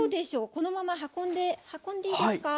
このまま運んで運んでいいですか？